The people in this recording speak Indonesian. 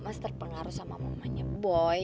mas terpengaruh sama mamanya boy